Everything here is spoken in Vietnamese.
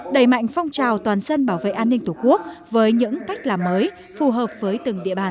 đẩy mạnh phong trào toàn dân bảo vệ an ninh tổ quốc với những cách làm mới phù hợp với từng địa bàn